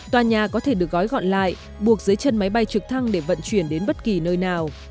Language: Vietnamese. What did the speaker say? tòa nhà có thể được gói gọn lại buộc dưới chân máy bay trực thăng để vận chuyển đến bất kỳ nơi nào